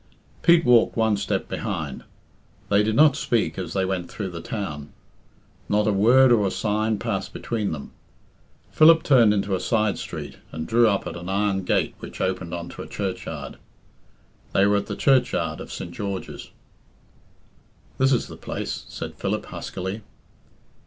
Pete walked one step behind. They did not speak as they went through the town. Not a word or a sign passed between them. Philip turned into a side street, and drew up at an iron gate which opened on to a churchyard. They were at the churchyard of St. George's. "This is the place," said Philip huskily.